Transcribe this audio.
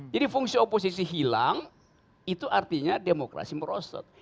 jadi fungsi oposisi hilang itu artinya demokrasi merosot